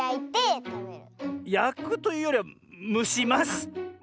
やくというよりはむします。